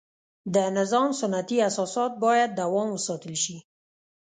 د نظام سنتي اساسات باید دوام وساتل شي.